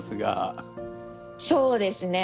そうですね